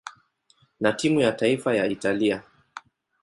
na timu ya taifa ya Italia.